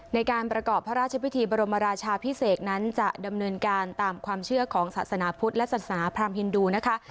ในการประกอบพระราชพิธีบรมราชาพิเศษนั้นจะดำเนินการตามความเชื่อของศาสนาพุทธและศาสนาพรามฮินดูนะคะ